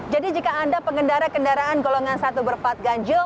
jadi jika anda pengendara kendaraan golongan satu berplat ganjil